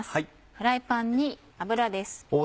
フライパンに油です。